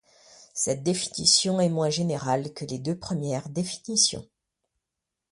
Cette définition est moins générale que les deux premières définitions.